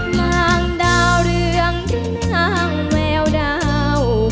เมืองดาวเรืองถึงนางแววดาว